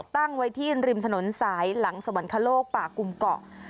ตั้งไว้ที่ริมถนนสายหลังสวรรคโลกป่ากุมเกาะ